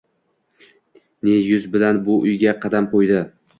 Ne yuz bilan bu uyga qadam qo'ydi?